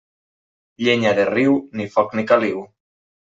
Llenya de riu, ni foc ni caliu.